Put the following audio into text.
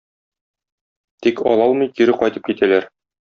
Тик ала алмый кире кайтып китәләр.